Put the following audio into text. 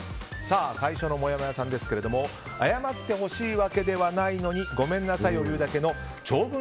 最初のもやもやさんですが謝ってほしいわけでないのにごめんなさいを言うだけの長文